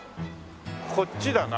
こっちだな。